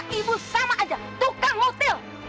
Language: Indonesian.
anak sama ibu sama aja tukang mutil